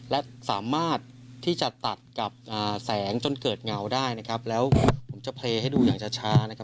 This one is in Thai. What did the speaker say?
และสามารถที่จะตัดกับแสงจนเกิดเงาได้แล้วผมจะเพลย์ให้ดูอย่างช้า